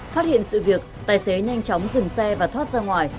phát hiện sự việc tài xế nhanh chóng dừng xe và thoát ra ngoài